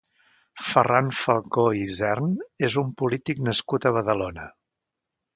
Ferran Falcó i Isern és un polític nascut a Badalona.